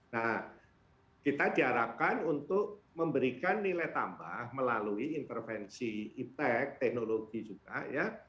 nah kita diharapkan untuk memberikan nilai tambah melalui intervensi iptec teknologi juga ya